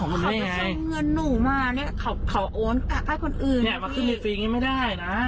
วงเวรใหญ่มาวงสว่าง